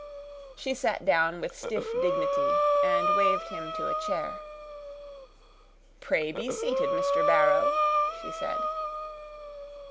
She sat down with stiff dignity, and waved him to a chair. "Pray, be seated, Mr. Barrow," she said.